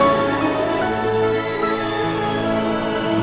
suruh masuk suruh masuk